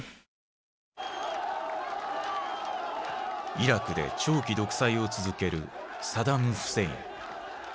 イラクで長期独裁を続けるサダム・フセイン。